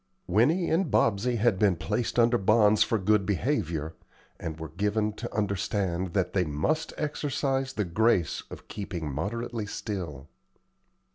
Winnie and Bobsey had been placed under bonds for good behavior, and were given to understand that they must exercise the grace of keeping moderately still.